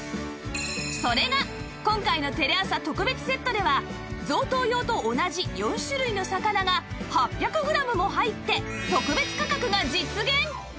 それが今回のテレ朝特別セットでは贈答用と同じ４種類の魚が８００グラムも入って特別価格が実現！